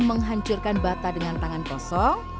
menghancurkan bata dengan tangan kosong